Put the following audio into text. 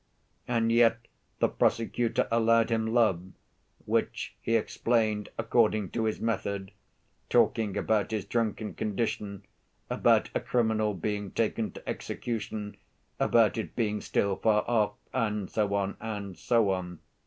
And yet the prosecutor allowed him love, which he explained, according to his method, talking about his drunken condition, about a criminal being taken to execution, about it being still far off, and so on and so on.